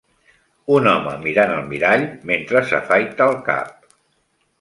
Un home mirant el mirall mentre s'afaita el cap